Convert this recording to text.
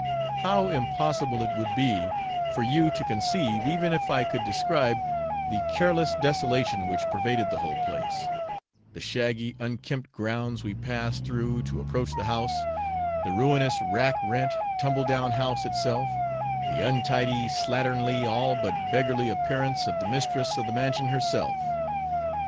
How impossible it would be for you to conceive, even if I could describe, the careless desolation which pervaded the whole place; the shaggy unkempt grounds we passed through to approach the house; the ruinous, rackrent, tumble down house itself, the untidy, slatternly all but beggarly appearance of the mistress of the mansion herself.